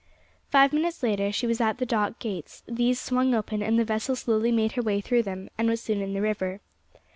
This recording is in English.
Five minutes later she was at the dock gates; these swung open, and the vessel slowly made her way through them, and was soon in the river.